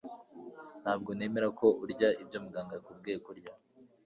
Ntabwo nemera ko urya ibyo muganga yakubwiye kutarya